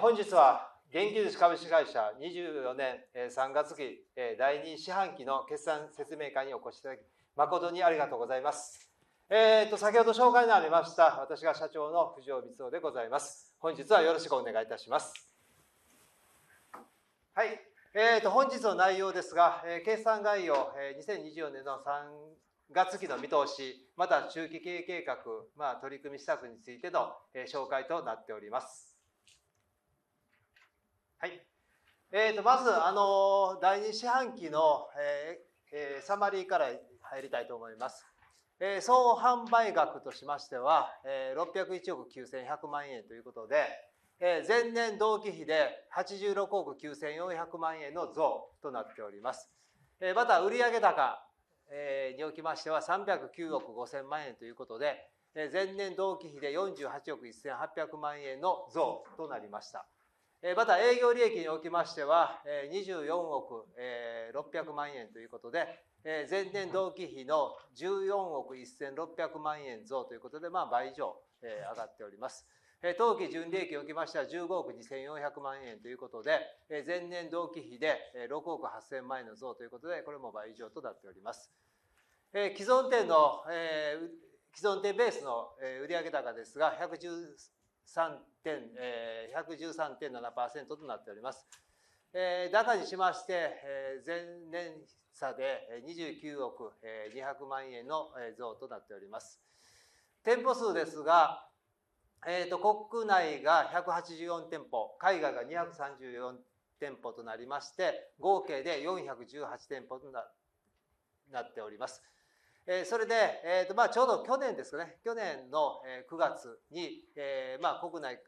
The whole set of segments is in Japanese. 本日は Genky Food 株式会社二十四年三月期第二四半期の決算説明会にお越しいただき、誠にありがとうございます。先ほど紹介のありました、私が社長の藤尾光雄でございます。本日はよろしくお願いいたします。えーと、本日の内容ですが、決算概要、2024年度の3月期の見通し、また中期経営計画、取り組み施策についての紹介となっております。はい。えーと、まずあの第2四半期のサマリーから入りたいと思います。総販売額としましては、601億 9,100 万円ということで、前年同期比で86億 9,400 万円の増となっております。また、売上高におきましては309億 5,000 万円ということで、前年同期比で48億 1,800 万円の増となりました。また、営業利益におきましては24億600万円ということで、前年同期比の14億 1,600 万円増ということで、まあ倍以上上がっております。当期純利益におきましては15億 2,400 万円ということで、前年同期比で6億 8,000 万円の増ということで、これも倍以上となっております。既存店の、えー、既存店ベースの売上高ですが、113.7% となっております。高じしまして、前年差で29億200万円の増となっております。店舗数ですが、えーと、国内が184店舗、海外が234店舗となりまして、合計で418店舗となっております。それで、えーと、ちょうど去年ですね。去年の9月に、まあ国内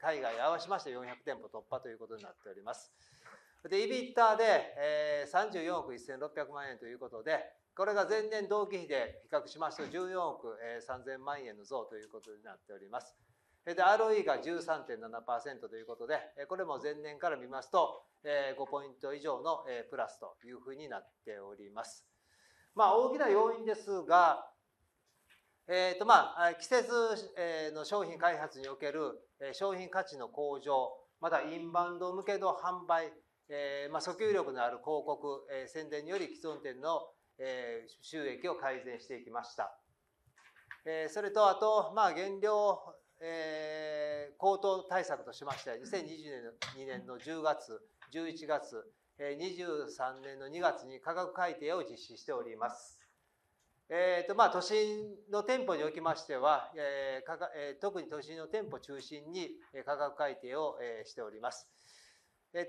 海外合わせまして400店舗突破ということになっております。EBITDA で34億 1,600 万円ということで、これが前年同期比で比較しますと14億 3,000 万円の増ということになっております。それで ROE が 13.7% ということで、これも前年から見ますと5ポイント以上のプラスというふうになっております。大きな要因ですが、季節の商品開発における商品価値の向上、またインバウンド向けの販売、訴求力のある広告宣伝により既存店の収益を改善していきました。それとあと、まあ原料高騰対策としまして、2022年の10 月、11月、2023年の2月に価格改定を実施しております。えーと、まあ都心の店舗におきましては、えー、特に都心の店舗中心に価格改定をしております。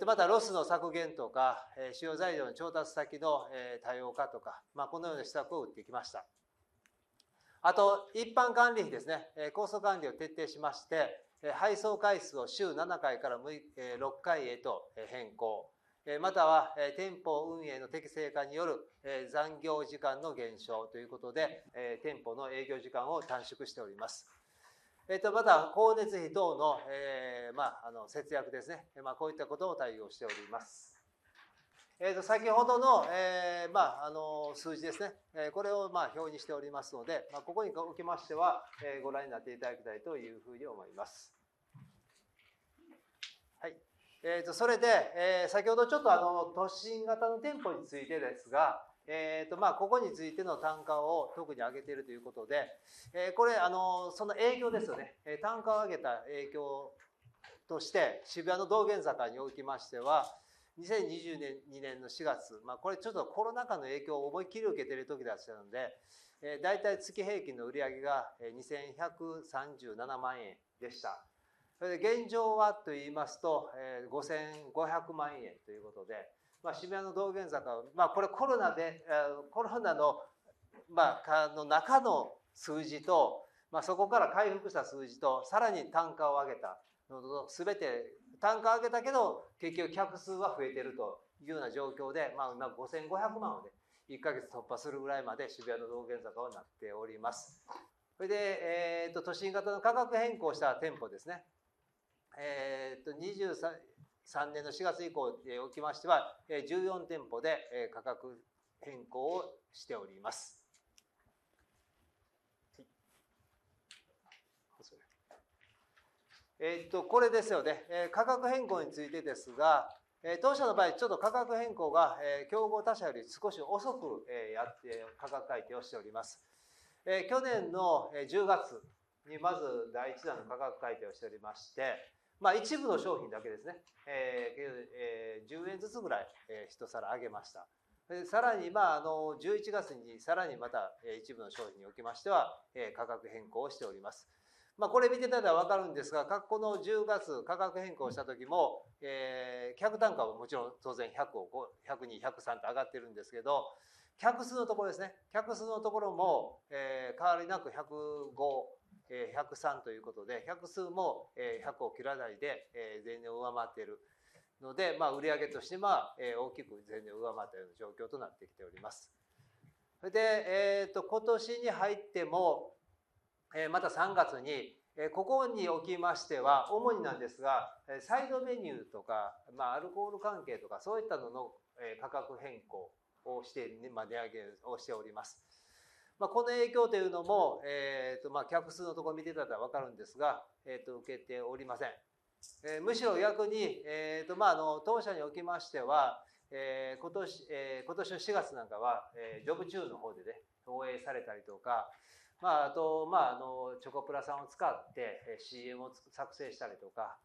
また、ロスの削減とか、使用材料の調達先の多様化とか、このような施策を打っていきました。あと、一般管理費ですね。コスト管理を徹底しまして、配送回数を週七回から六回へと変更。または店舗運営の適正化による残業時間の減少ということで、店舗の営業時間を短縮しております。また、光熱費等の節約ですね。こういったことも対応しております。先ほどの、まあその数字ですね、これを表にしておりますので、ここにおきましてはご覧になっていただきたいというふうに思います。はい。それで先ほどちょっと都心型の店舗についてですが、えーと、まあ、ここについての単価を特に上げているということで、これ、あの、その影響ですよね。単価を上げた影響として、渋谷の道玄坂におきましては、2022年4 月、まあこれちょっとコロナ禍の影響を思い切り受けているときだったので、大体月平均の売上が ¥21,370,000 でした。それで現状はといいますと、5,500 万円ということで、渋谷の道玄坂、まあこれコロナで、コロナのまあ中の数字と、そこから回復した数字と、さらに単価を上げた、すべて単価を上げたけど、結局客数は増えているというような状況で、まあ 5,500 万をね、1ヶ月突破するぐらいまで渋谷の道玄坂はなっております。それで、都心型の価格変更した店舗ですね。えーと、二十三年の四月以降におきましては、十四店舗で価格変更をしております。はい。えーと、これですよね。価格変更についてですが、当社の場合、ちょっと価格変更が競合他社より少し遅くやって価格改定をしております。去年の十月にまず第一弾の価格改定をしておりまして、一部の商品だけですね、十円ずつぐらい一皿上げました。さらに十一月に、さらにまた一部の商品におきましては価格変更をしております。これを見ていただいたらわかるんですが、この十月、価格変更した時も、えー、客単価はもちろん当然百を百二、百三と上がっているんですけど、客数のところですね。客数のところも変わりなく百五、百三ということで、客数も百を切らないで前年を上回っているので、売り上げとしては大きく前年を上回ったような状況となってきております。それで、えーと、今年に入っても、また三月に。ここにおきましては主になんですが、サイドメニューとかアルコール関係とか、そういったものの価格変更をして値上げをしております。この影響というのも、えーと、客数のところを見ていただいたらわかるんですが、受けておりません。むしろ逆に、えーと、まあ当社におきましては、えー、今年、えー、今年の4月なんかはジョブチューンの方でね、放映されたりとか、まああとまああのチョコプラさんを使って CM を作成したりとか、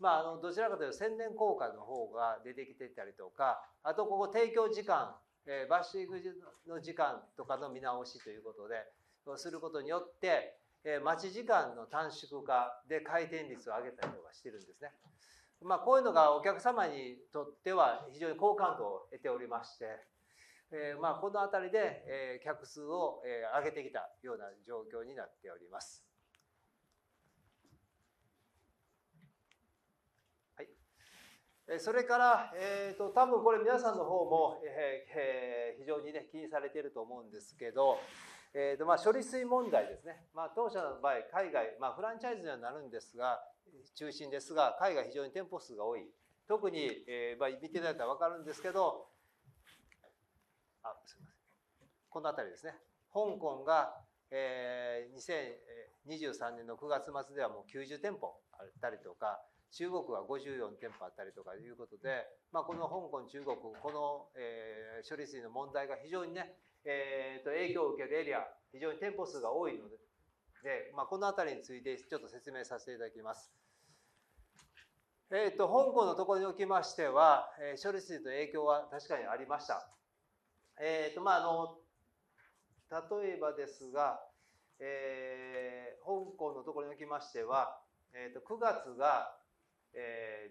まあどちらかというと宣伝効果の方が出てきてたりとか、あとここ提供時間、バッシングの時間とかの見直しということですることによって、待ち時間の短縮化で回転率を上げたりとかしてるんですね。まあこういうのがお客様にとっては非常に好感度を得ておりまして、まあこの辺りで客数を上げてきたような状況になっております。はい。それから、えーと、多分これ皆さんの方も非常にね、気にされていると思うんですけど。えーと、処理水問題ですね。当社の場合、海外フランチャイズになるんですが、中心ですが、海外、非常に店舗数が多い。特に見ていただいたらわかるんですけど。あ、すいません。この辺ですね。香港が2023年の9月末ではもう90店舗あったりとか、中国が54店舗あったりとかということで、この香港、中国、この処理水の問題が非常にね、えーと、影響を受けるエリア、非常に店舗数が多いので、で、この辺りについてちょっと説明させていただきます。えーと、香港のところにおきましては、処理水の影響は確かにありました。えーと、まああの、例えばですが、えー、香港のところにおきましては、9月がえー、前年対比で 87.6%。ただ、10月は香港、香港は 93.4% ということで、かなり回復傾向になっております。また、中国の方は、9月が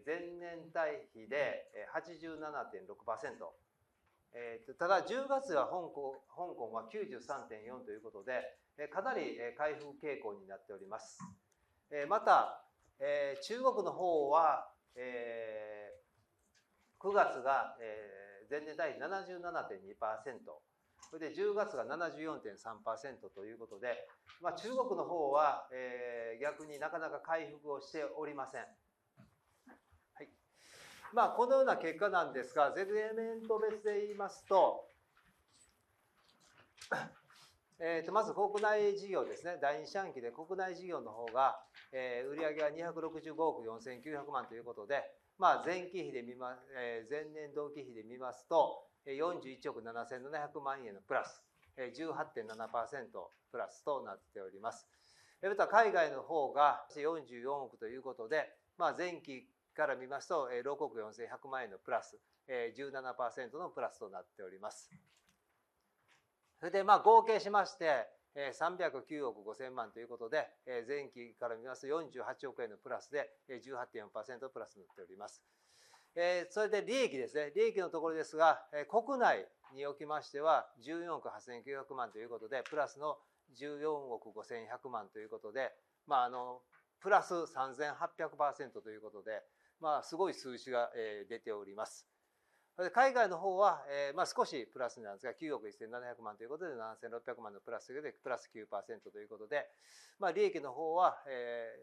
前年対比 77.2%、それで10月が 74.3% ということで、中国の方は逆になかなか回復をしておりません。はい。まあこのような結果なんですが、セグメント別で言いますと。まず国内事業ですね。第二四半期で国内事業の方が売上は265億 4,900 万ということで、前年同期比で見ますと、41億 7,700 万円のプラス 18.7% プラスとなっております。また、海外の方が44億ということで、前期から見ますと6億 4,100 万円のプラス 17% のプラスとなっております。それで合計しまして三百九億五千万ということで、前期から見ますと四十八億円のプラスで 18.4% プラスになっております。それで利益ですね。利益のところですが、国内におきましては14億 8,900 万ということで、プラスの14億 5,100 万ということで、まあプラス 3,800% ということで、まあすごい数字が出ております。海外の方は少しプラスなんですが、九億一千七百万ということで、七千六百万のプラスということで、プラス 9% ということで、まあ利益の方は、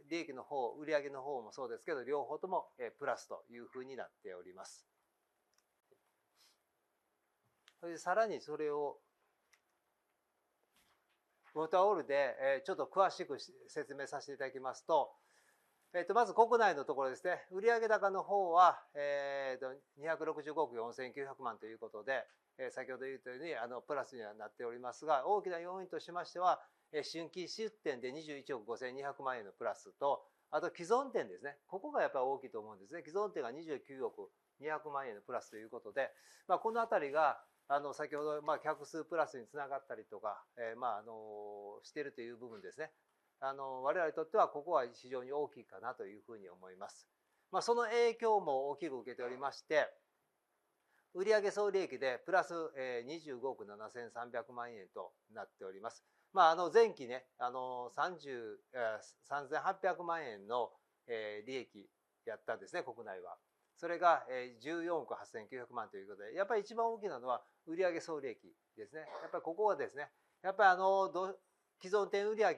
利益の方、売上の方もそうですけど、よりもそうですけど、両方ともプラスというふうになっております。それでさらにそれを。トータルでちょっと詳しく説明させていただきますと、まず国内のところですね。売上高の方は265億 4,900 万ということで、先ほど言ったようにプラスにはなっておりますが、大きな要因としましては、新規出店で21億 5,200 万円のプラスと、あと既存店ですね。ここがやっぱり大きいと思うんですね。既存店が29億200万円のプラスということで、この辺が先ほど客数プラスにつながったりとか、まああの、しているという部分ですね。我々にとってはここは非常に大きいかなというふうに思います。その影響も大きく受けておりまして、売上総利益でプラス25億 7,300 万円となっております。まあ、あの前期ね、あの 3,380 万円の利益やったんですね、国内は。それが14億 8,900 万ということで、やっぱり一番大きなのは売上総利益ですね。やっぱりここはですね、やっぱりあの既存店売上が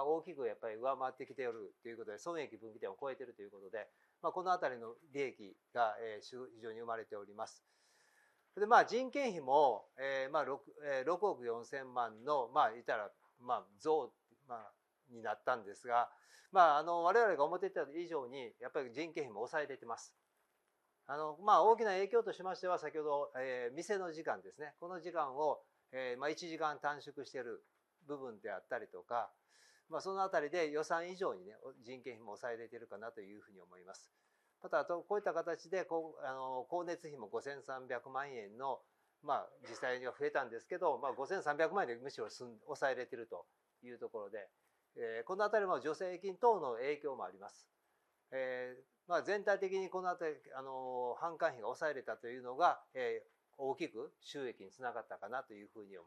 大きくやっぱり上回ってきているということで、損益分岐点を超えているということで、この辺の利益が非常に生まれております。で、人件費も ¥640,000,000 の、まあ言ったらまあ増になったんですが、まあ我々が思っていた以上に、やっぱり人件費も抑えられています。あの、まあ大きな影響としましては、先ほど店の時間ですね、この時間を一時間短縮している部分であったりとか、その辺りで予算以上に人件費も抑えられているかなというふうに思います。また、あと、こういった形で光熱費も 5,300 万円の、まあ実際には増えたんですけど、5,300 万円でむしろ抑えられているというところで、この辺も助成金等の影響もあります。えー、全体的にこの辺り、あの販管費が抑えられたというのが大きく収益につながったかなというふうに思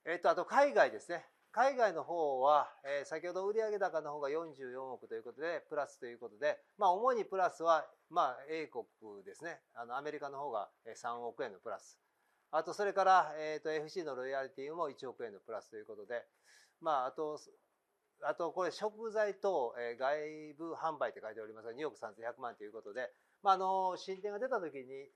います。はい。えーと、あと海外ですね。海外の方は先ほど売上高の方が44億ということでプラスということで、主にプラスはまあ英国ですね。アメリカの方が ¥3 億のプラス、あとそれから FC のロイヤルティも ¥1 億のプラスということで。まああと、あとこれ食材等外部販売って書いておりますが、2億3千100万ということで、まああの新店が出た時 に…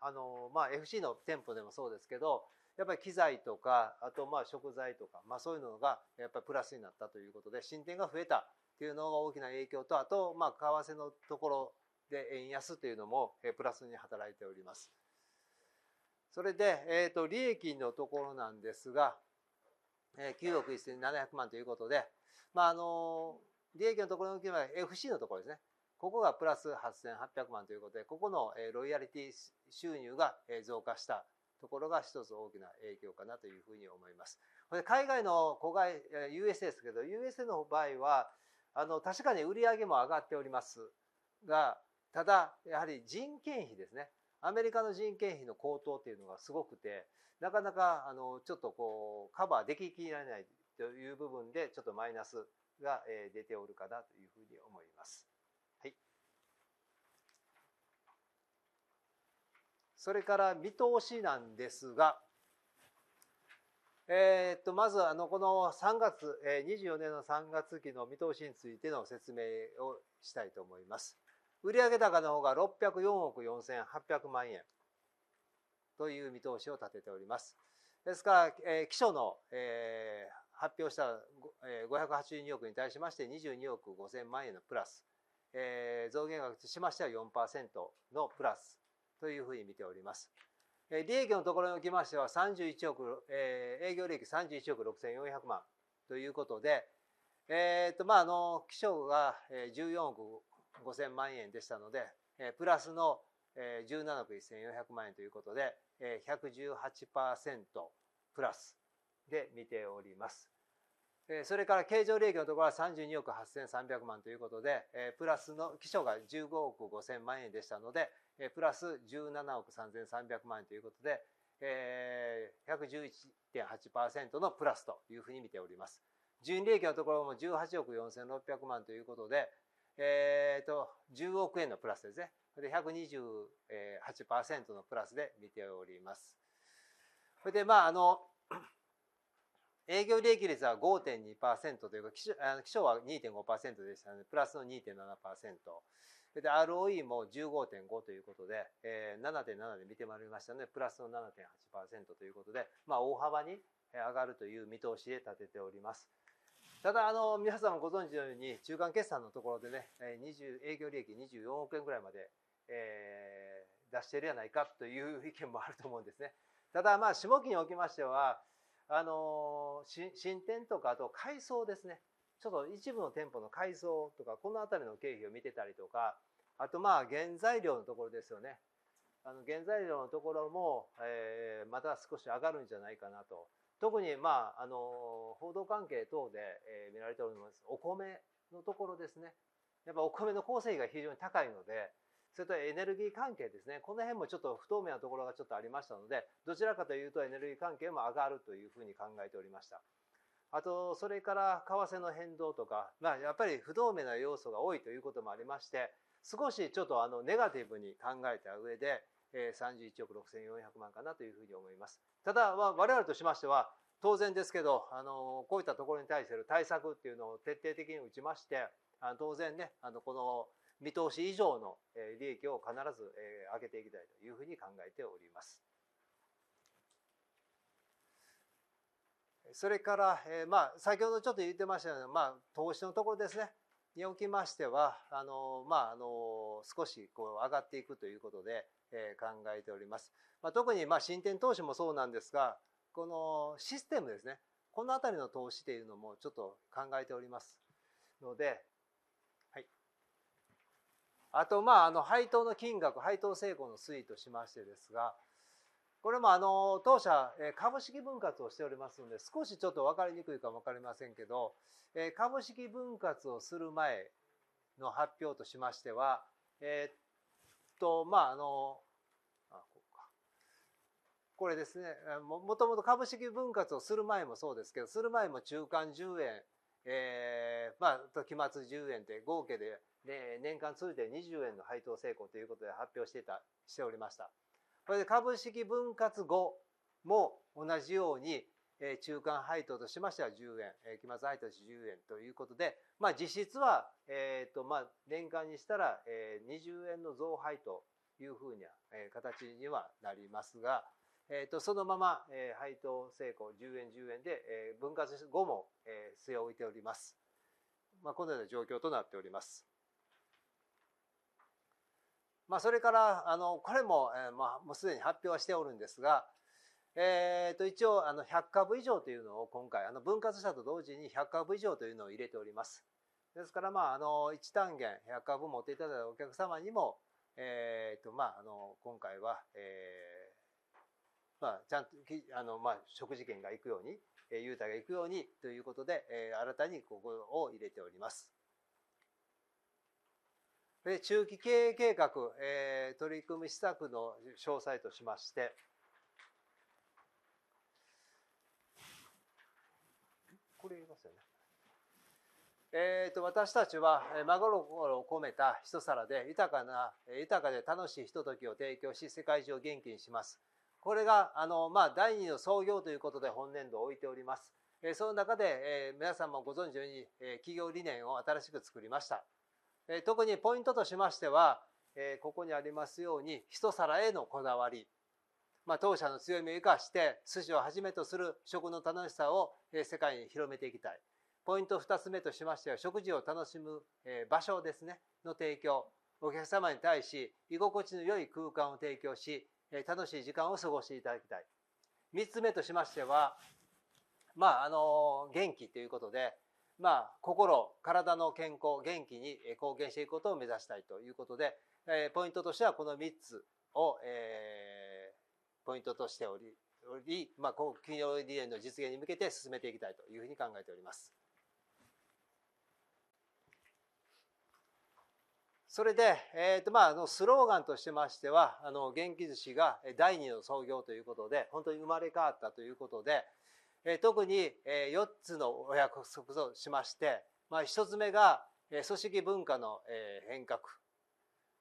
あの、まあ FC の店舗でもそうですけど、やっぱり機材とか、あと食材とか、そういうのがやっぱりプラスになったということで、新店が増えたっていうのが大きな影響と、あと為替のところで円安というのもプラスに働いております。それで利益のところなんですが、9億 1,700 万ということで、まああの、利益のところにおいては FC のところですね。ここがプラス 8,800 万ということで、ここのロイヤリティ収入が増加したところが一つ大きな影響かなというふうに思います。海外の海外 USA ですけど、USA の場合は確かに売上も上がっております。が、ただ、やはり人件費ですね。アメリカの人件費の高騰というのがすごくて、なかなかちょっとこうカバーでききらないという部分で、ちょっとマイナスが出ておるかなというふうに思います。はい。それから見通しなんですが。えーと、まず、あの、この3 月、24年の3月期の見通しについての説明をしたいと思います。売上高の方が604億 4,800 万円という見通しを立てております。ですから、期初の発表した582億に対しまして、22億 5,000 万円のプラス、増減額としましては 4% のプラスというふうに見ております。利益のところにおきましては31 億、営業利益31億 6,400 万ということで、えーと、期初が14億 5,000 万円でしたので、プラスの17億 1,400 万円ということで、118% プラスで見ております。それから経常利益のところは32億 8,300 万ということで、プラスの期初が15億 5,000 万円でしたので、プラス17億 3,300 万円ということで、111.8% のプラスというふうに見ております。純利益のところも18億 4,600 万ということで、えーと、10億円のプラスですね。それで 128% のプラスで見ております。それでまあ、あの、営業利益率は 5.2% ということか、期初は 2.5% でしたので、プラスの 2.7%。それで ROE も 15.5 ということで、7.7 で見てまいりましたので、プラスの 7.8% ということで、大幅に上がるという見通しで立てております。ただ、皆さんもご存知のように、中間決算のところで、営業利益24億円ぐらいまで出しているではないかという意見もあると思うんですね。ただ、下期におきましては、新店とか、あと改装ですね、ちょっと一部の店舗の改装とか、この辺の経費を見てたりとか、あと原材料のところですよね。原材料のところもまた少し上がるんじゃないかなと。特にまああの、報道関係等で見られております、お米のところですね。やっぱお米の構成比が非常に高いので。それとエネルギー関係ですね。この辺もちょっと不透明なところがちょっとありましたので、どちらかというとエネルギー関係も上がるというふうに考えておりました。あと、それから為替の変動とか、やっぱり不透明な要素が多いということもありまして、少しちょっとネガティブに考えた上で31億 6,400 万かなというふうに思います。ただ、我々としましては当然ですけど、こういったところに対する対策っていうのを徹底的に打ちまして、当然ね、この見通し以上の利益を必ず上げていきたいというふうに考えております。それから、先ほどちょっと言ってましたけど、投資のところですね、におきましては、まあその、少し上がっていくということで考えております。特に新店投資もそうなんですが、このシステムですね、この辺の投資というのもちょっと考えておりますので。はい。あと、まあ配当の金額、配当性向の推移としましてですが、これも当社株式分割をしておりますので、少しちょっとわかりにくいかもわかりませんけど、株式分割をする前の発表としましては、えっと、まああの、これですね、もともと株式分割をする前もそうですけど、する前も中間10 円、期末10円で、合計で年間を通じて20円の配当性向ということで発表していた、しておりました。これで株式分割後も同じように中間配当としましては10 円、期末配当10円ということで、実質は年間にしたら20円の増配というふうな形にはなりますが、そのまま配当性向10 円、10円で分割後も据え置いております。このような状況となっております。まあ、それからこれももうすでに発表はしておるんですが、一応100株以上というのを、今回分割したと同時に100株以上というのを入れております。ですから、まあ1単元100株を持っていただいたお客様にも、えーと、まあ今回は、えー、ちゃんと食事券がいくように、優待がいくようにということで、新たにここを入れております。中期経営計画、取り組む施策の詳細としまして。これやりますよね。えーと、私たちは真心こめたひと皿で、豊かな、豊かで楽しいひとときを提供し、世界中を元気にします。これが第2の創業ということで本年度置いております。その中で、皆さんもご存知のように、企業理念を新しく作りました。特にポイントとしましては、ここにありますように、一皿へのこだわり。当社の強みを生かして、寿司をはじめとする食の楽しさを世界に広めていきたい。ポイント2つ目としましては、食事を楽しむ場所の提供ですね。お客様に対し、居心地の良い空間を提供し、楽しい時間を過ごしていただきたい。3つ目としましては、まあその元気ということで、まあ心身の健康、元気に貢献していくことを目指したいということで、ポイントとしてはこの3つをえー、ポイントとしており、より企業理念の実現に向けて進めていきたいというふうに考えております。それで、えーと、まあスローガンとしましては、元気寿司が第2の創業ということで、本当に生まれ変わったということで、特に4つの約束としまして、1つ目が組織文化の変革、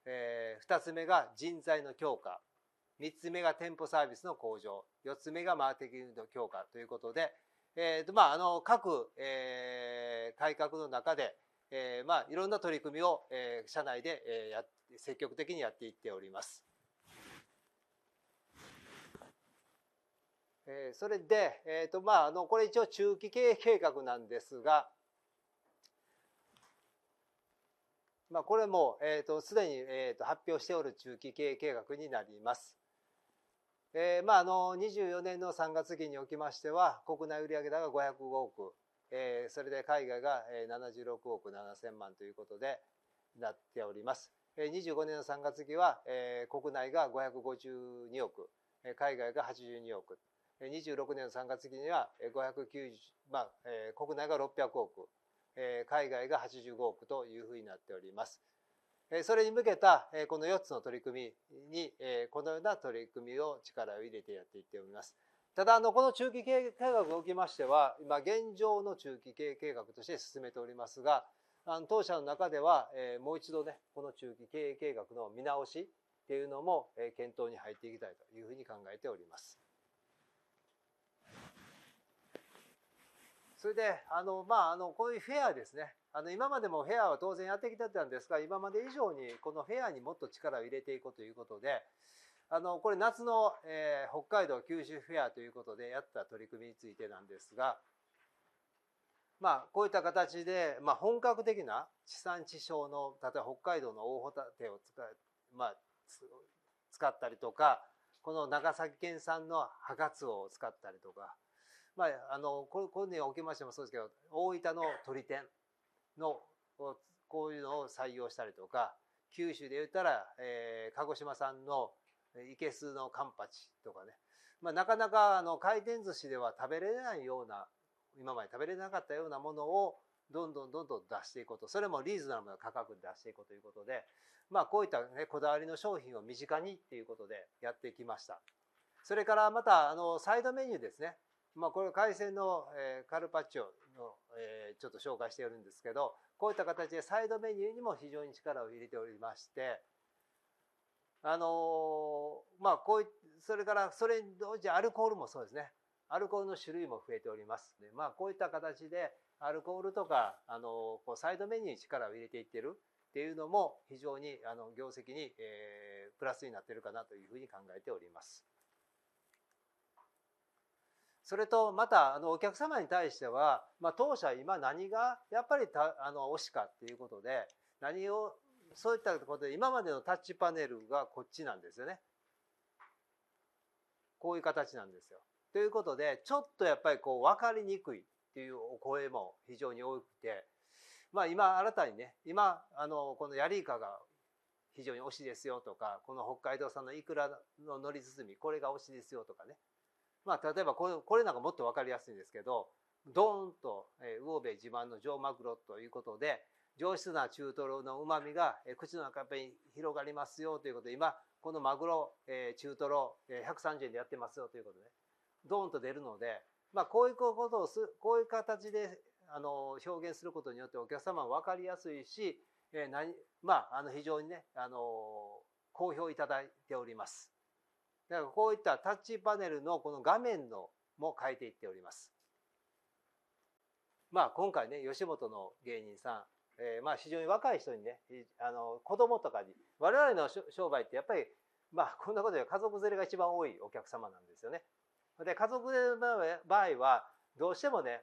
2つ目が人材の強化、3つ目が店舗サービスの向上、4つ目がマーケティングの強化ということで、えーと、まああの、各改革の中でいろんな取り組みをえー、社内で積極的にやっていっております。それで、えーと、まあこれ一応中期経営計画なんですが。まあこれもすでに発表しております中期経営計画になります。まあ、あの24年の3月期におきましては、国内売上高が ¥50,500,000,000、それで海外が ¥7,670,000,000 ということでなっております。25年の3月期は国内が552 億、海外が82億、26年3月期には 590、まあ国内が600 億、海外が85億というふうになっております。それに向けたこの4つの取り組みに、このような取り組みを力を入れてやっていっております。ただ、この中期経営計画におきましては、今現状の中期経営計画として進めておりますが、当社の中ではもう一度ね、この中期経営計画の見直しっていうのも検討に入っていきたいというふうに考えております。それで、あの、まあこういうフェアですね。今までもフェアは当然やってきてたんですが、今まで以上にこのフェアにもっと力を入れていこうということで、これ、夏の北海道九州フェアということでやった取り組みについてなんですが、まあこういった形で本格的な地産地消の、例えば北海道の大ホタテを使ったりとか、この長崎県産のハカツオを使ったりとか、まあこれにおきましてもそうですけど、大分の鶏天のこういうのを採用したりとか、九州で言ったら鹿児島産の生簀のカンパチとかね。なかなか回転寿司では食べれないような、今まで食べれなかったようなものをどんどんどんどん出していこうと。それもリーズナブルな価格で出していこうということで、こういったね、こだわりの商品を身近にということでやってきました。それからまたサイドメニューですね。これを海鮮のカルパッチョのちょっと紹介しているんですけど、こういった形でサイドメニューにも非常に力を入れておりまして。あの、まあそれからそれに同時じゃアルコールもそうですね。アルコールの種類も増えております。で、こういった形でアルコールとか、あのサイドメニューに力を入れていってるっていうのも、非常に業績にプラスになっているかなというふうに考えております。それと、またお客様に対しては、当社今何がやっぱり惜しかっていうことで、何を。そういったところで、今までのタッチパネルがこっちなんですよね。こういう形なんですよ。ということで、ちょっとやっぱり分かりにくいっていうお声も非常に多くて。今新たにね、今このヤリイカが非常に美味しいですよとか、この北海道産のイクラの海苔包み、これが推しですよとかね。まあ例えばこれなんかもっとわかりやすいんですけど、ドーンと魚べい自慢の常マグロということで、上質な中トロの旨みが口の中に広がりますよということで、今このマグロ中トロ ¥130 でやってますよということで、ドーンと出るので、こういうことをする。こういう形で表現することによって、お客様も分かりやすいし、非常にね、あの、好評いただいております。だから、こういったタッチパネルのこの画面のも変えていっております。まあ今回ね、吉本の芸人さん、非常に若い人にね、子供とかに。我々の商売って、やっぱりまあこんなことじゃ家族連れが一番多いお客様なんですよね。家族連れの場合は、どうしてもね、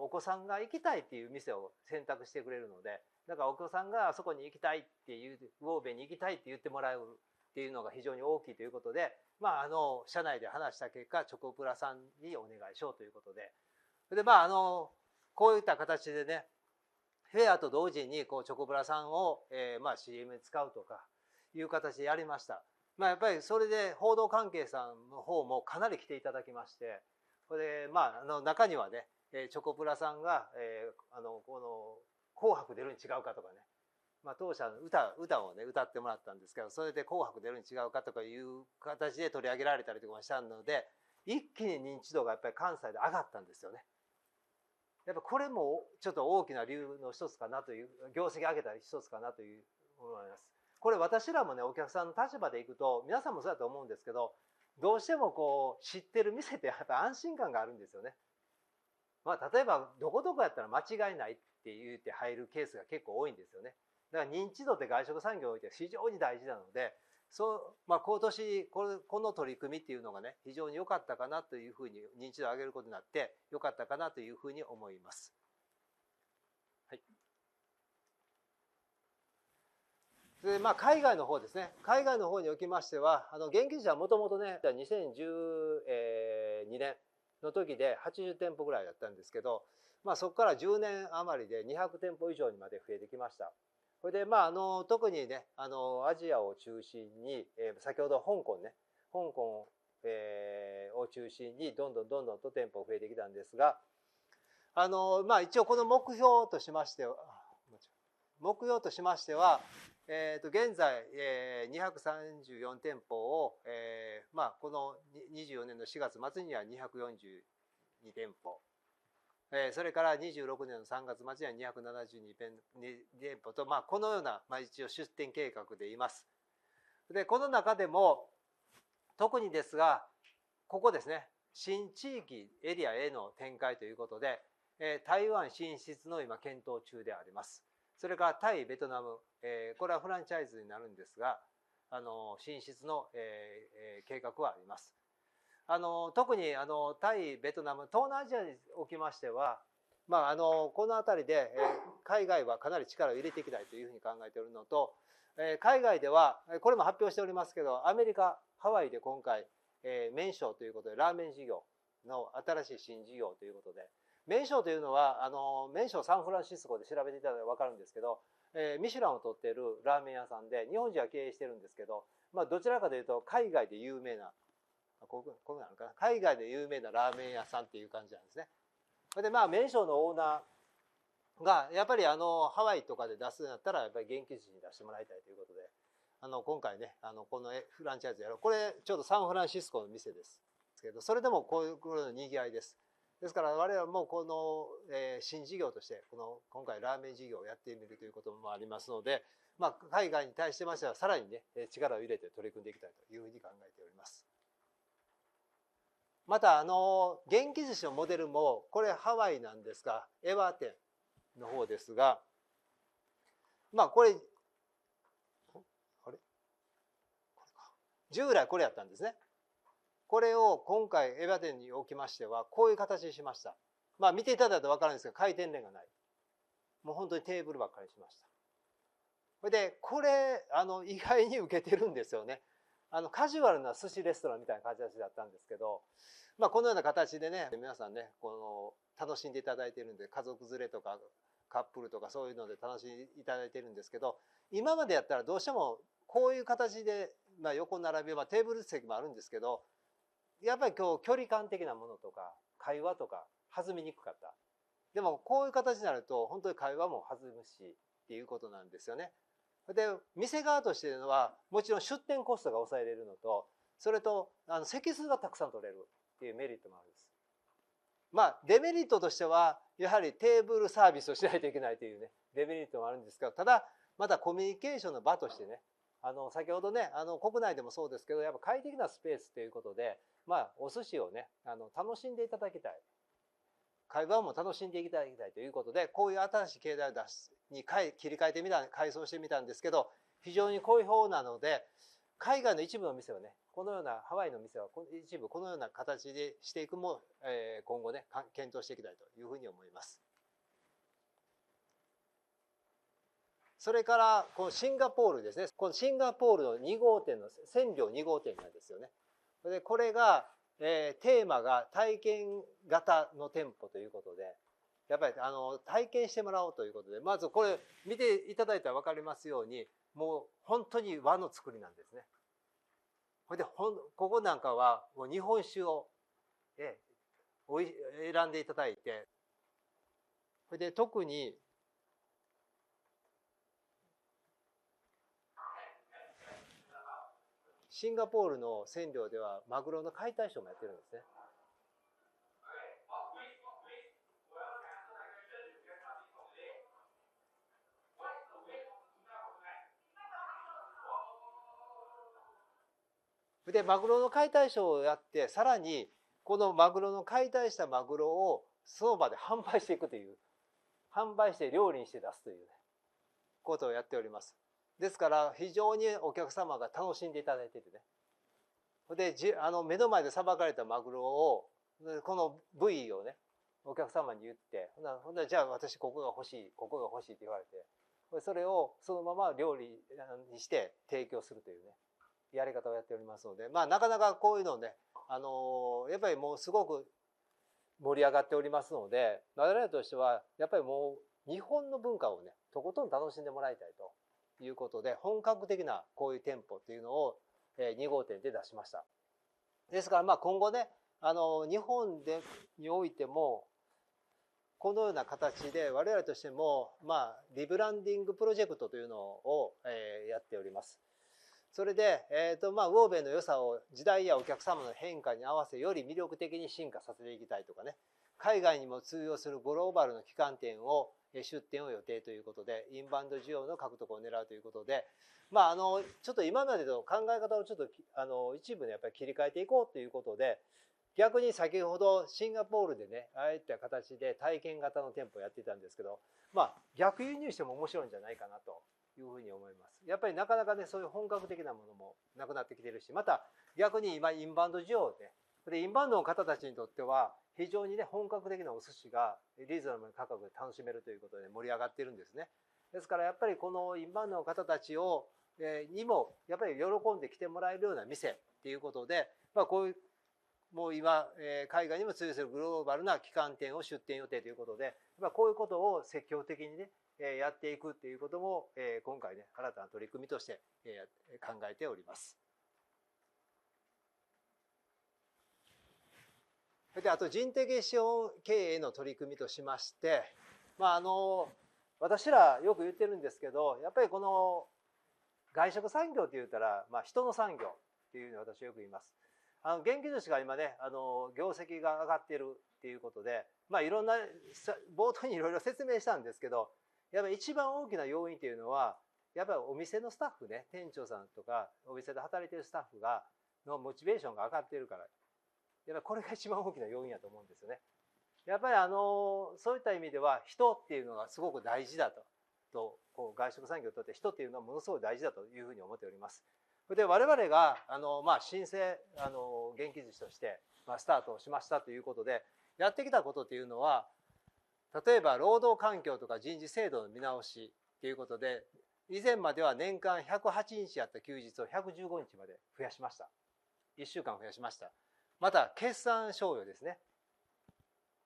お子さんが行きたいっていう店を選択してくれるので。だからお子さんがあそこに行きたいっていう、魚べいに行きたいって言ってもらうっていうのが非常に大きいということで、まああの社内で話した結果、チョコプラさんにお願いしようということで。それでまああの、こういった形でね、フェアと同時にチョコプラさんを CM に使うとかいう形でやりました。やっぱりそれで報道関係者さんの方もかなり来ていただきまして。それでまあ中にはね、チョコプラさんがこの紅白出るん違うかとかね。当社の歌、歌をね、歌ってもらったんですけど、それで紅白出るん違うかとかいう形で取り上げられたりとかもあるので、一気に認知度がやっぱり関西で上がったんですよね。やっぱりこれもちょっと大きな理由の一つかなという、業績上げた一つかなというふうに思います。これ、私らもね、お客さんの立場でいくと、皆さんもそうだと思うんですけど、どうしてもこう知ってる店ってやっぱり安心感があるんですよね。例えばどこどこやったら間違いないって言って入るケースが結構多いんですよね。だから認知度って外食産業においては非常に大事なので、そう、まあ今年、この取り組みっていうのがね、非常に良かったかなというふうに、認知度を上げることになって良かったかなというふうに思います。はい。で、まあ海外の方ですね。海外の方におきましては、元気寿司はもともと、2012年の時で80店舗ぐらいだったんですけど、そこから10年余りで200店舗以上にまで増えてきました。それでまあ、特に、アジアを中心に、先ほど香港、香港を中心にどんどんどんどんと店舗が増えてきたんですが。あの、まあ一応この目標としまして、目標としましては、現在234店舗を、まあこの4年の4月末には242店舗、それから26年の3月末には272店舗と、このような一応出店計画でいます。この中でも特にですが、ここですね、新地域エリアへの展開ということで、台湾進出の今検討中であります。それからタイ、ベトナム、これはフランチャイズになるんですが、進出の計画はあります。特にタイ、ベトナム、東南アジアにおきましては、この辺で海外はかなり力を入れていきたいというふうに考えているのと、海外ではこれも発表しておりますけど、アメリカ、ハワイで今回メンショーということで、ラーメン事業の新しい新事業ということで、メンショーというのはメンショーサンフランシスコで調べていただいたらわかるんですけど、ミシュランを取っているラーメン屋さんで、日本人が経営してるんですけど、どちらかというと海外で有名なこういうのがあるかな。海外で有名なラーメン屋さんっていう感じなんですね。それでまあ、麺匠のオーナーがやっぱりハワイとかで出すんだったら、やっぱり元気寿司に出してもらいたいということで、今回ね、このフランチャイズで、これちょうどサンフランシスコの店ですけど、それでもこういう賑わいです。ですから、我々もこの新事業として、この今回ラーメン事業をやってみるということもありますので、海外に対してましては、さらに力を入れて取り組んでいきたいというふうに考えております。また、元気寿司のモデルも、これハワイなんですが、エバー店の方ですが、従来これやったんですね。これを。今回エバー店におきましてはこういう形にしました。見ていただいたらわかるんですけど、回転レーンがない。もう本当にテーブルばっかりにしました。それでこれ意外に受けてるんですよね。カジュアルな寿司レストランみたいな形だったんですけど、このような形でね。皆さんね、楽しんでいただいているので、家族連れとかカップルとか、そういうので楽しんでいただいているんですけど、今まではやったらどうしてもこういう形で横並びはテーブル席もあるんですけど、やっぱり距離感的なものとか、会話とか弾みにくかった。でもこういう形になると本当に会話も弾むしっていうことなんですよね。で、店側としてはもちろん出店コストが抑えれるのと、それと席数がたくさん取れるっていうメリットもあるんです。まあ、デメリットとしてはやはりテーブルサービスをしないといけないというね、デメリットもあるんですが。ただ、またコミュニケーションの場としてね。先ほどね、国内でもそうですけど、やっぱり快適なスペースということで、お寿司を楽しんでいただきたい、会話も楽しんでいただきたいということで、こういう新しい形態を出すに切り替えてみた、改装してみたんですけど、非常に好評なので、海外の一部の店をね、このようなハワイの店は一部このような形にしていくも、今後ね、検討していきたいというふうに思います。それからこのシンガポールですね。このシンガポールの二号店の千両二号店なんですよね。これがテーマが体験型の店舗ということで、やっぱり体験してもらおうということで、まずこれ見ていただいたらわかりますように、もう本当に和のつくりなんですね。それで、ここなんかは日本酒を選んでいただいて、それで特に。シンガポールの千両ではマグロの解体ショーもやってるんですね。で、マグロの解体ショーをやって、さらにこのマグロの解体したマグロをその場で販売していくという、販売して料理にして出すということをやっております。ですから、非常にお客様が楽しんでいただいていてね。それで目の前でさばかれたマグロを、この部位をね、お客様に言って、じゃあ私ここが欲しい、ここが欲しいと言われて。それをそのまま料理にして提供するというね、やり方をやっておりますので、なかなかこういうのをね、やっぱりもうすごく盛り上がっておりますので、我々としてはやっぱりもう日本の文化をね、とことん楽しんでもらいたいということで、本格的なこういう店舗というのを二号店で出しました。ですから、今後ね、日本においても、このような形で、我々としてもリブランディングプロジェクトというのをやっております。それで、魚米の良さを、時代やお客様の変化に合わせ、より魅力的に進化させていきたいとかね。海外にも通用するグローバルの旗艦店を出店を予定ということで、インバウンド需要の獲得を狙うということで、ちょっと今までの考え方をちょっと一部切り替えていこうということで。逆に先ほどシンガポールで、ああいった形で体験型の店舗をやっていたんですけど、まあ逆輸入しても面白いんじゃないかなというふうに思います。やっぱりなかなかね、そういう本格的なものもなくなってきているし、また逆に今インバウンド需要で、インバウンドの方たちにとっては非常に本格的なお寿司がリーズナブルな価格で楽しめるということで盛り上がっているんですね。ですから、やっぱりこのインバウンドの方たちにも、やっぱり喜んで来てもらえるような店ということで、こういうもう今海外にも進出するグローバルな旗艦店を出店予定ということで、こういうことを積極的にね、やっていくということも、今回ね、新たな取り組みとして考えております。あと、人的資本経営の取り組みとしまして、まああの、私らよく言ってるんですけど、やっぱりこの外食産業って言ったら人の産業っていうふうに私はよく言います。元気寿司が今ね、業績が上がっているということで、いろんな冒頭にいろいろ説明したんですけど、やっぱり一番大きな要因というのは、やっぱりお店のスタッフね。店長さんとかお店で働いているスタッフのモチベーションが上がっているから、やっぱりこれが一番大きな要因やと思うんですよね。やっぱりあの、そういった意味では、人っていうのがすごく大事だと。と外食産業にとって人っていうのはものすごい大事だというふうに思っております。それで、我々が新生元気寿司としてスタートをしましたということで、やってきたことというのは、例えば労働環境とか人事制度の見直しということで、以前までは年間108日あった休日を115日まで増やしました。1週間増やしました。また、決算賞与ですね。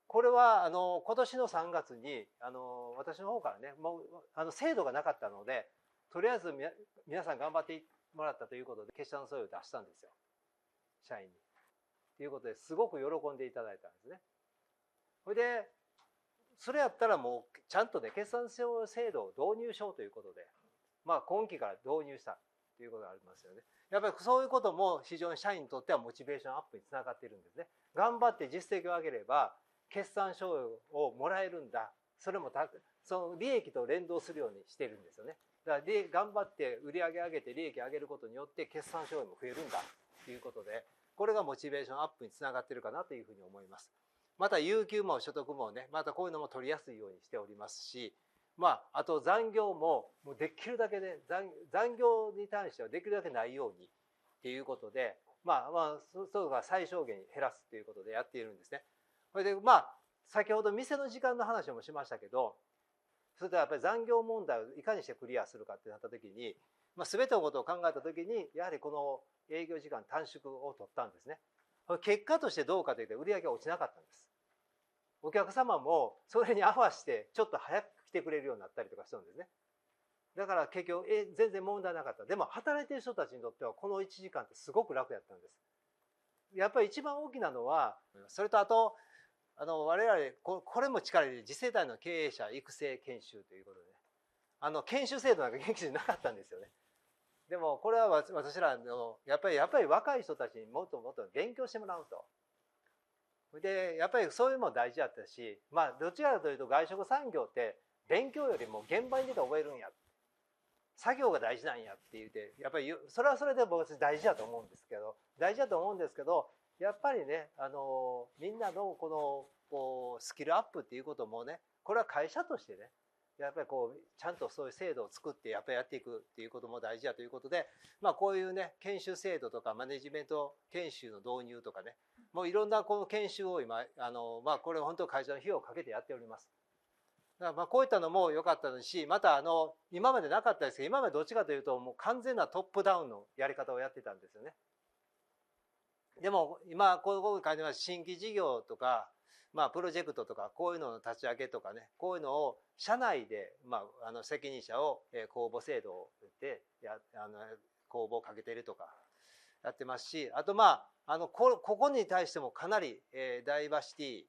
これは今年の3月に私の方からね、もう制度がなかったので、とりあえず皆さん頑張ってもらったということで、決算賞与を出したんですよ。社員にっていうことですごく喜んでいただいたんですね。それで、それやったらもうちゃんとね、決算賞与制度を導入しようということで、今期から導入したっていうことがありますよね。やっぱりそういうことも非常に社員にとってはモチベーションアップにつながっているんですね。頑張って実績を上げれば決算賞与をもらえるんだ。それも利益と連動するようにしてるんですよね。だから、頑張って売り上げを上げて利益を上げることによって決算賞与も増えるんだということで、これがモチベーションアップにつながっているかなというふうに思います。また、有給も取得もね。またこういうのも取りやすいようにしておりますし、あと残業もできるだけね。残業に対してはできるだけないようにということで、まあまあそれが最小限に減らすということでやっているんですね。それでまあ、先ほど店の時間の話もしましたけど、それではやっぱり残業問題をいかにしてクリアするかってなった時に、全てのことを考えた時に、やはりこの営業時間短縮を取ったんですね。結果としてどうかというと、売り上げは落ちなかったんです。お客様もそれに合わせてちょっと早く来てくれるようになったりとかしたんですね。だから結局全然問題なかった。でも、働いている人たちにとっては、この1時間ってすごく楽やったんです。やっぱり一番大きなのは、それとあと我々、これも力入れ、次世代の経営者育成研修ということで、研修制度なんか元気なかったんですよね。でも、これは私らの、やっぱりやっぱり若い人たちにもっともっと勉強してもらうと。で、やっぱりそういうのも大事やったし、どちらかというと外食産業って勉強よりも現場に出た方が得るんや、作業が大事なんやっていうて。やっぱりそれはそれで大事だと思うんですけど。大事だと思うんですけど、やっぱりね、みんなのこのスキルアップということもね、これは会社としてね、やっぱりちゃんとそういう制度を作って、やっぱりやっていくということも大事だということで、こういうね、研修制度とかマネジメント研修の導入とかね、もういろんな研修を今これは本当に会社の費用をかけてやっております。だからこういったのも良かったし、また今まではなかったですけど、今まではどちらかというと完全なトップダウンのやり方をやってたんですよね。でも今こういう新規事業とかプロジェクトとか、こういうのの立ち上げとかね、こういうのを社内で責任者を公募制度を設けて公募をかけてるとかやってますし。あとまあここに対しても、かなりダイバーシティ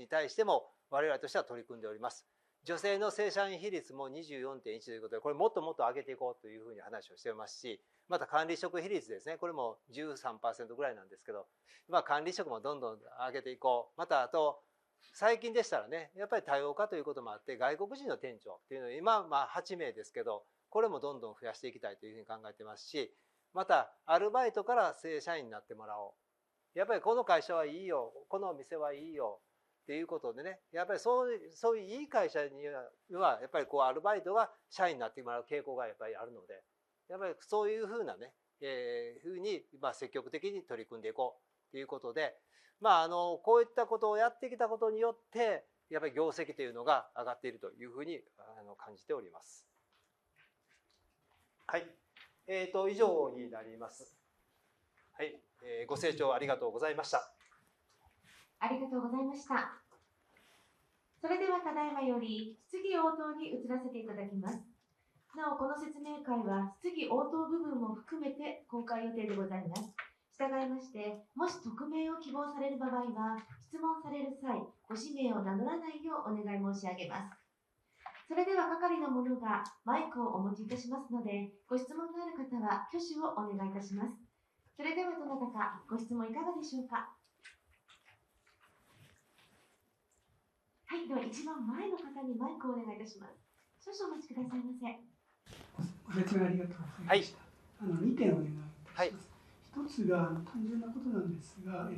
に対しても我々としては取り組んでおります。女性の正社員比率も 24.1% ということで、これをもっともっと上げていこうというふうに話をしてますし、また管理職比率ですね、これも 13% ぐらいなんですけど、管理職もどんどん上げていこう。また最近でしたらね、やっぱり多様化ということもあって、外国人の店長っていうのは今8名ですけど、これもどんどん増やしていきたいというふうに考えていますし、またアルバイトから正社員になってもらおう、やっぱりこの会社はいいよ、この店はいいよっていうことでね。やっぱりそういう、そういういい会社には、やっぱりアルバイトが社員になってもらう傾向がやっぱりあるので、やっぱりそういうふうなね、ふうに積極的に取り組んでいこうということで、こういったことをやってきたことによって、やっぱり業績というのが上がっているというふうに感じております。はい、以上になります。はい、ご静聴ありがとうございました。ありがとうございました。それでは、ただ今より質疑応答に移らせていただきます。なお、この説明会は質疑応答部分も含めて公開予定でございます。従いまして、もし匿名を希望される場合は、質問される際、ご氏名を名乗らないようお願い申し上げます。それでは、係の者がマイクをお持ちいたしますので、ご質問のある方は挙手をお願いいたします。それではどなたかご質問いかがでしょうか。では、一番前の方にマイクをお願いいたします。少々お待ちください。お時間ありがとうございました。2点お願いいたします。一つが単純なことなんですが、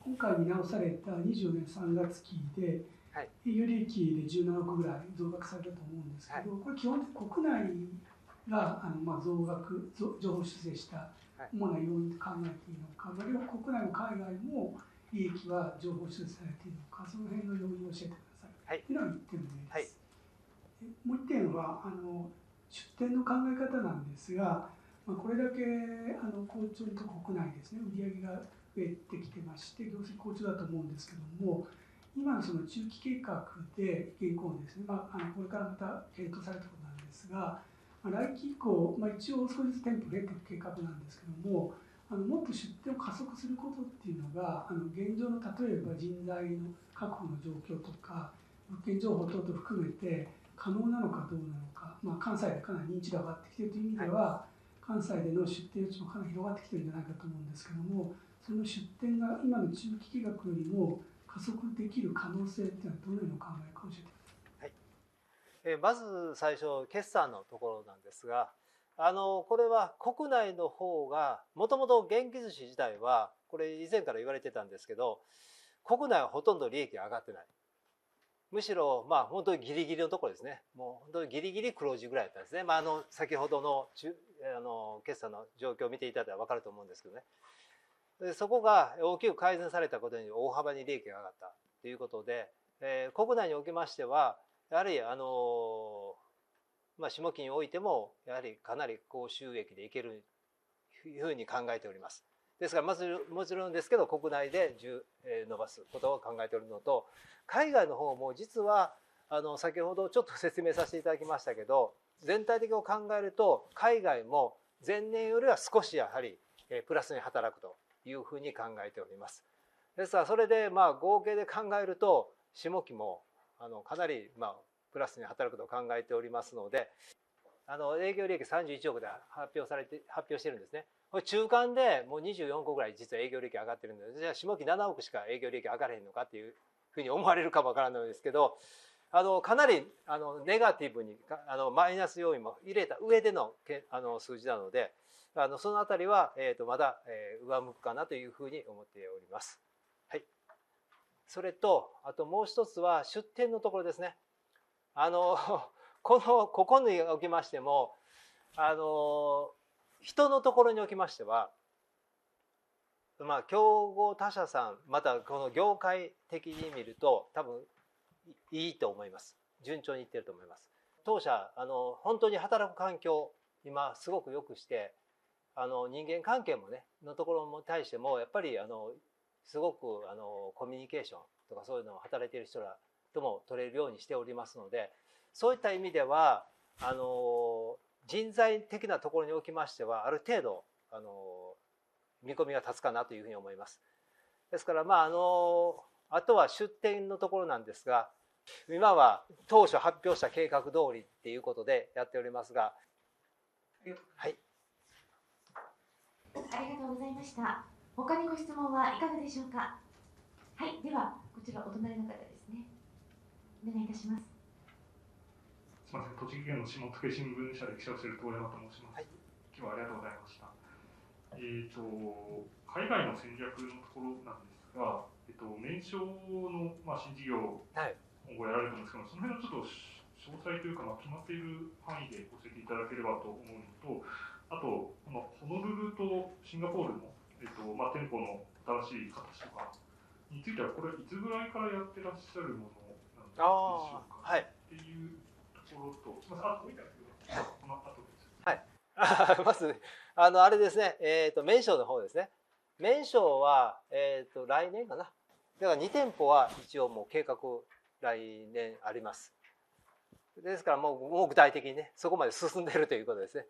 今回見直された24年3月期で営業利益で17億ぐらい増額されたと思うんですけど、これ基本的に国内が増額上方修正したと考えていいのか、あるいは国内も海外も利益が上方修正されているのか、その辺の要因を教えてください。というのが1点目です。もう1点は出店の考え方なんですが、これだけ好調に国内ですね、売上が増えてきていまして、業績好調だと思うんですけども、今の中期計画で原稿をですね、これからまた変更されたことなんですが、来期以降、一応少しずつ店舗ネットの計画なんですけども、もっと出店を加速することっていうのが現状の、例えば人材確保の状況とか物件情報等々含めて可能なのかどうなのか。関西でかなり認知度が上がってきているという意味では、関西での出店もかなり広がってきているんじゃないかと思うんですけども、その出店が今の中期計画よりも加速できる可能性というのはどのように考えているか。はい。まず最初、決算のところなんですが、これは国内の方がもともと元気寿司自体はこれ以前から言われてたんですけど、国内はほとんど利益が上がってない。むしろ本当にギリギリのところですね。もう本当にギリギリ黒字ぐらいだったんですね。先ほどの決算の状況を見ていただいたらわかると思うんですけどね。そこが大きく改善されたことに大幅に利益が上がったということで、国内におきましては、やはりあの下期においても、やはりかなり高収益でいけるというふうに考えております。ですから、まずもちろんですけど、国内で伸ばすことを考えているのと、海外の方も実は先ほどちょっと説明させていただきましたけど、全体的に考えると、海外も前年よりは少し、やはりプラスに働くというふうに考えております。ですから、それで合計で考えると、下期もかなりプラスに働くと考えておりますので、営業利益31億で発表されて発表しているんですね。中間でも24億ぐらい、実は営業利益上がってるので、下期7億しか営業利益上がらないのかというふうに思われるかもわからないですけど、かなりネガティブにマイナス要因も入れた上での数字なので、その辺はまだ上向くかなというふうに思っております。はい。それとあともう一つは出店のところですね。このここにおきましても、あの人のところにおきましては、競合他社さん、またこの業界的に見ると多分いいと思います。順調にいっていると思います。当社、本当に働く環境、今すごく良くして、人間関係もね。のところに対しても、やっぱりすごくコミュニケーションとか、そういうのを働いている人らとも取れるようにしておりますので、そういった意味では人材的なところにおきましては、ある程度見込みが立つかなというふうに思います。ですから、あとは出店のところなんですが、今は当初発表した計画通りということでやっておりますが。はい。ありがとうございました。他にご質問はいかがでしょうか。はい。では、こちらお隣の方ですね。お願いいたします。栃木県の下野新聞社で記者をする東山と申します。今日はありがとうございました。えーと、海外の戦略のところなんですが、麺匠の新事業をやられるんですけど、その辺はちょっと詳細というか、決まっている範囲で教えていただければと思うのと、あとホノルルとシンガポールの店舗の新しい形とかについては、これいつぐらいからやってらっしゃるものなんでしょうか。というところと、あとポイントなんですけど、この後です。はい。まずあれですね。麺匠の方ですね。麺匠は来年かな。だから2店舗は一応もう計画来年あります。ですから、もう具体的にね、そこまで進んでいるということですね。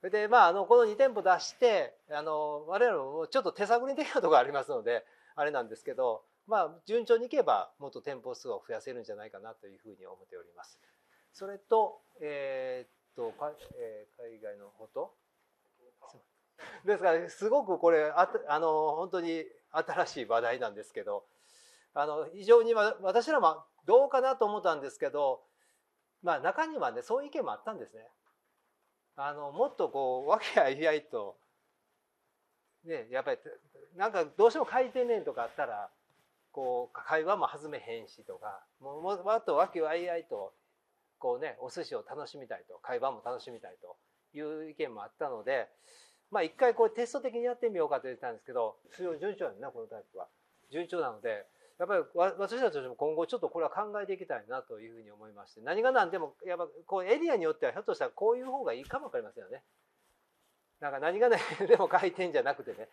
それでこの2店舗出して、我々もちょっと手探り的なところがありますので、あれなんですけど、順調にいけばもっと店舗数を増やせるんじゃないかなというふうに思っております。それと海外のこと。ですから、すごくこれ本当に新しい話題なんですけど、非常に私らもどうかなと思ったんですけど、中にはね、そういう意見もあったんですね。もっと和気あいあいと、ね、やっぱりなんかどうしても回転ねとかあったら、こう会話も弾めへんしとか、もっと和気あいあいとこうね、お寿司を楽しみたいと、会話も楽しみたいという意見もあったので、一回テスト的にやってみようかといってたんですけど。順調になこのタイプは順調なので、やっぱり私たちも今後ちょっとこれは考えていきたいなというふうに思います。何が何でもエリアによってはひょっとしたらこういう方がいいかもわかりませんよね。なんか何が何でも回転じゃなくてね。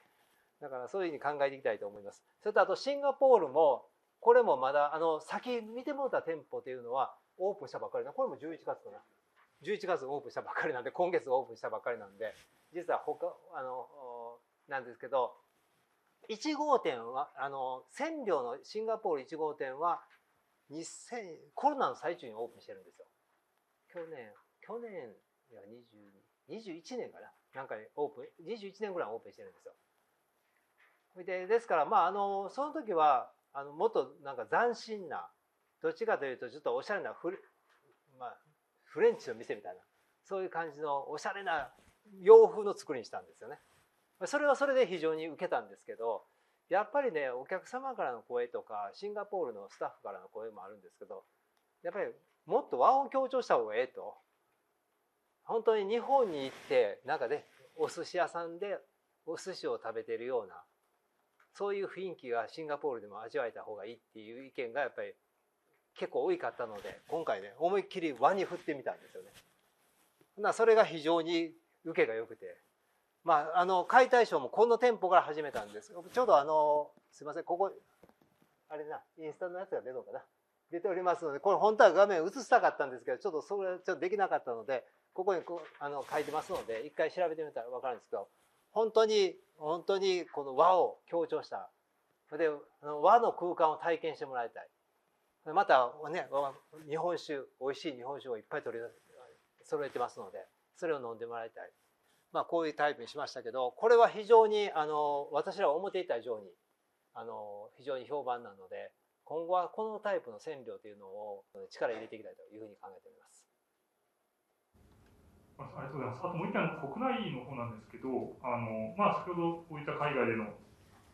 だからそういうふうに考えていきたいと思います。それとあとシンガポールも、これもまだ先見てもらった店舗というのはオープンしたばかりで、これも11月かな。11月にオープンしたばかりなので、今月オープンしたばかりなので、実は他なんですけど、1号店は鮮魚のシンガポール1号店は 2000。コロナの最中にオープンしてるんですよ。去年、去年や 20、21年かな。なんかにオープン。21年ぐらいにオープンしてるんですよ。ですから、まあその時はもっと何か斬新な、どっちかというとちょっとおしゃれなフレンチの店みたいな、そういう感じのおしゃれな洋風の造りにしたんですよね。それはそれで非常に受けたんですけど、やっぱりね、お客様からの声とか、シンガポールのスタッフからの声もあるんですけど、やっぱりもっと和を強調した方がいいと。本当に日本に行って、なんかね、お寿司屋さんでお寿司を食べているような、そういう雰囲気がシンガポールでも味わえた方がいいっていう意見がやっぱり結構多かったので、今回ね、思いっきり和に振ってみたんですよね。それが非常に受けが良くて。まあ解体ショーもこの店舗から始めたんですけど、ちょうどあの、すいません、ここあれな、インスタのやつが出るのかな。出ておりますので、これ本当は画面を映したかったんですけど、ちょっとそれができなかったので、ここに書いてますので、一回調べてみたらわかるんですけど、本当に本当にこの和を強調した。それで和の空間を体験してもらいたい。またね、日本酒、美味しい日本酒をいっぱい取り揃えてますので、それを飲んでもらいたい。まあこういうタイプにしましたけど、これは非常に私らが思っていた以上に非常に評判なので、今後はこのタイプの鮮魚というのを力入れていきたいというふうに考えております。ありがとうございます。あともう1 点、国内の方なんですけど、まあ先ほどこういった海外での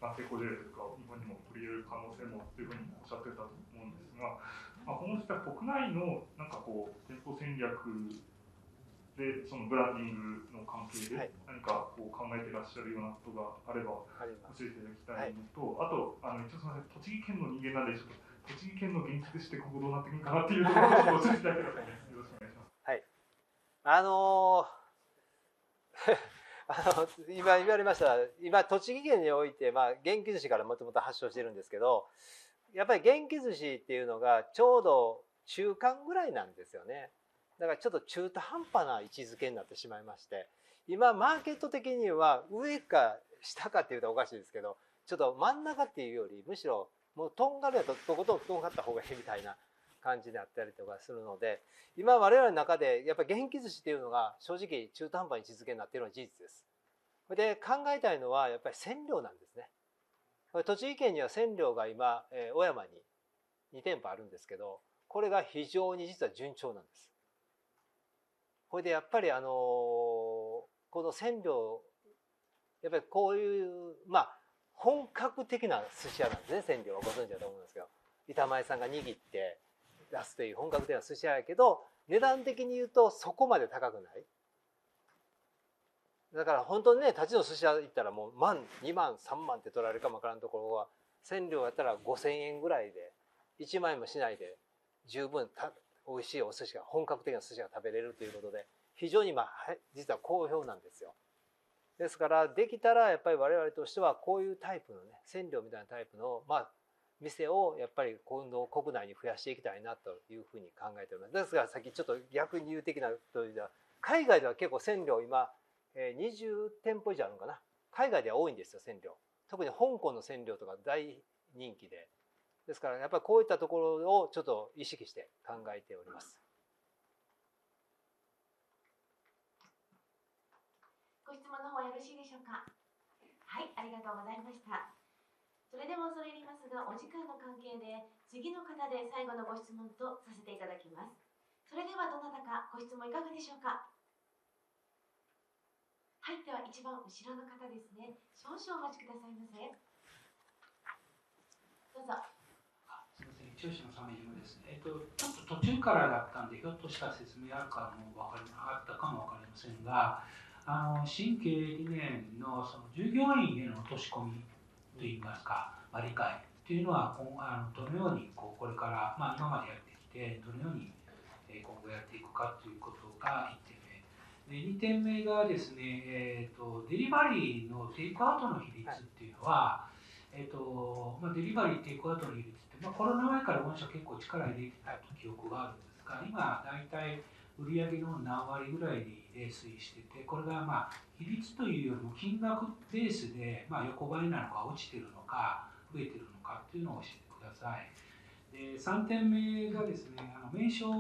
成功事例とか、日本にも取り入れる可能性もというふうにおっしゃっていたと思うんですが、この人は国内の何かこう、店舗戦略でブランディングの関係で何か考えてらっしゃるようなことがあれば教えていただきたいのと、あと栃木県の人間なんで、ちょっと栃木県の元気してここどうなってるのかなというところを教えてください。よろしくお願いします。はい。あの、今言われました、今、栃木県において元気寿司から元々発祥しているんですけど、やっぱり元気寿司っていうのがちょうど中間ぐらいなんですよね。だからちょっと中途半端な位置づけになってしまいまして。今マーケット的には上か下かっていうとおかしいですけど、ちょっと真ん中っていうより、むしろもうとんがりだととことんとがった方がいいみたいな感じになってたりとかするので。今、我々の中でやっぱり元気寿司っていうのが正直中途半端な位置づけになっているのは事実です。で、考えたいのはやっぱり鮮魚なんですね。栃木県には鮮魚が今、小山に2店舗あるんですけど、これが非常に実は順調なんです。それで、やっぱりあの、この鮮魚、やっぱりこういうまあ本格的な寿司屋なんですね。鮮魚はご存知だと思うんですけど、板前さんが握って出すという本格的な寿司屋だけど、値段的にいうとそこまで高くない。だから本当にね、立ちの寿司屋行ったらもう1 万、2 万、3万って取られるかもわからんところは千両やったら500円ぐらいで1万円もしないで十分美味しいお寿司が本格的な寿司が食べれるということで、非常に実は好評なんですよ。ですから、できたらやっぱり我々としてはこういうタイプの、鮮魚みたいなタイプの店をやっぱり今度国内に増やしていきたいなというふうに考えております。ですが、さっきちょっと逆に言うことでは、海外では結構鮮魚、今20店舗以上あるのかな。海外では多いんですよ。鮮魚、特に香港の鮮魚とか大人気で。ですから、やっぱりこういったところをちょっと意識して考えております。ご質問の方はよろしいでしょうか。はい、ありがとうございました。それでは恐れ入りますが、お時間の関係で次の方で最後のご質問とさせていただきます。それではどなたかご質問いかがでしょうか。はい、では一番後ろの方ですね。少々お待ちください。どうぞ。すみません。長嶋さんです。ちょっと途中からだったんで、ひょっとしたら説明あるかも分からなかったかも分かりませんが、新経営理念の従業員への落とし込みといいますか、理解っていうのはどのように、これから今までやってきて、どのように今後やっていくかということが1点目。2点目ですね、デリバリーのテイクアウトの比率っていうのは、えっと、デリバリーテイクアウトの比率って、コロナ前から御社結構力入れてた記憶があるんですが、今大体売上の何割ぐらいに推移していて、これが比率というよりも金額ベースで横ばいなのか、落ちているのか、増えているのかっていうのを教えてください。3点目がですね、メンショー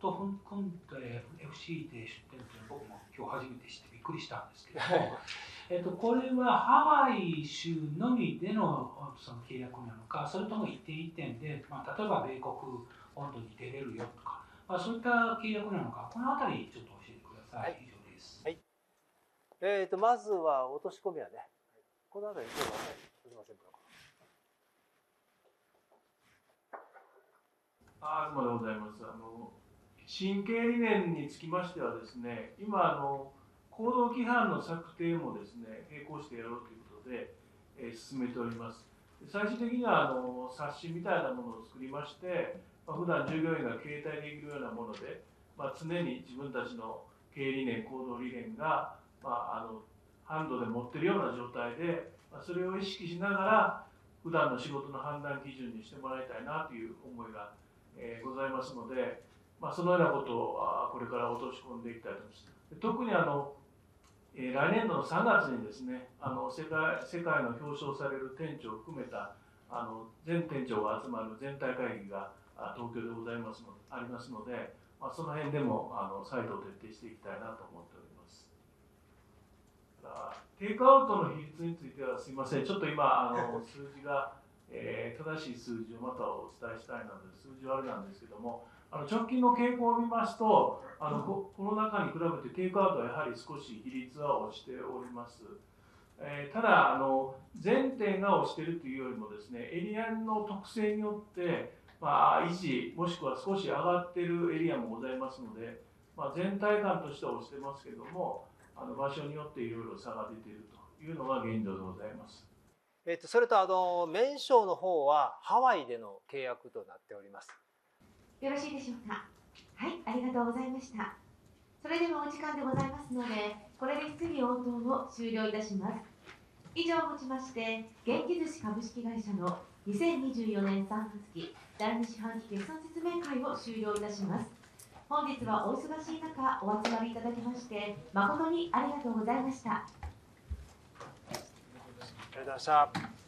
と組んで FC で出店っていうのは、僕も今日初めて知ってびっくりしたんですけど、これはハワイ州のみでの契約なのか、それとも一点一点で、例えば米国本土に出れるよとか、そういった契約なのか、この辺ちょっと教えてください。以上です。はい、まずは落とし込みはね、この辺り。どうもありがとうございます。ありがとうございます。新経営理念につきましてはですね、今、行動規範の策定もですね、並行してやろうということで進めております。最終的には冊子みたいなものを作りまして、普段従業員が携帯できるようなもので、常に自分たちの経営理念、行動理念がハンドで持っているような状態で、それを意識しながら普段の仕事の判断基準にしてもらいたいなという思いがございますので、そのようなことをこれから落とし込んでいきたいと思います。特に来年度の3月にですね、世界の表彰される店長を含めた全店長が集まる全体会議が東京でございますので、ありますので、その辺でも再度徹底していきたいなと思っております。テイクアウトの比率についてはすいません。ちょっと今数字が正しい数字をまたお伝えしたいので、数字はあれなんですけども、直近の傾向を見ますと、コロナ禍に比べてテイクアウトはやはり少し比率は落ちております。ただ、全店が落ちているというよりもですね、エリアの特性によって維持、もしくは少し上がっているエリアもございますので、全体感としては落ちてますけども、場所によっていろいろ差が出ているというのが現状でございます。それとメンションの方はハワイでの契約となっております。よろしいでしょうか。はい、ありがとうございました。それではお時間でございますので、これで質疑応答を終了いたします。以上をもちまして、元気寿司株式会社の2024年3月期第2四半期決算説明会を終了いたします。本日はお忙しい中お集まりいただきまして、誠にありがとうございました。ありがとうございました。